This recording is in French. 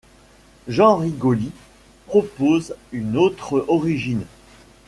Jean Rigoli propose une autre origine.